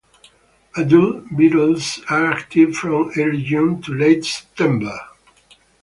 Adult beetles are active from early June to late September.